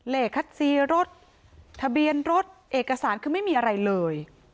คัดซีรถทะเบียนรถเอกสารคือไม่มีอะไรเลย